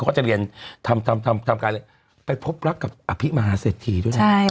เขาจะเรียนทำการไปพบรักกับอภิมฮาเสถีย์ด้วยนะ